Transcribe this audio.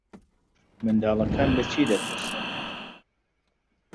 منداڵەکان لە چی دەترسن؟